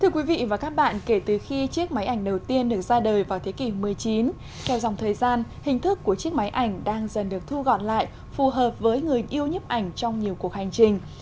thưa quý vị và các bạn kể từ khi chiếc máy ảnh đầu tiên được ra đời vào thế kỷ một mươi chín theo dòng thời gian hình thức của chiếc máy ảnh đang dần được thu gọn lại phù hợp với người yêu nhấp ảnh trong nhiều cuộc hành trình